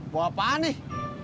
buat apaan nih